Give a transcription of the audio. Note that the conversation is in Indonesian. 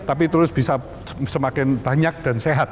tapi terus bisa semakin banyak dan sehat